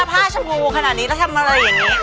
ผ้าชมพูขนาดนี้แล้วทำอะไรอย่างนี้